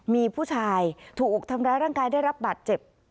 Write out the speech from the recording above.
มีผู้ชายถูกอกทำร้ายร่างกายได้รับบาดเจ็บ